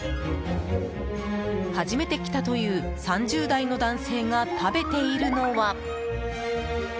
初めて来たという３０代の男性が食べているのは。